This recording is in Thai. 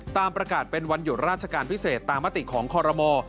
ตามประกาศเป็นวันหยุดราชการพิเศษตามมติของคอรมอ